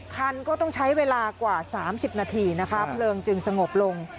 คันก็ต้องใช้เวลากว่า๓๐นาทีนะคะเพลิงจึงสงบลง